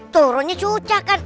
turunnya cucak kan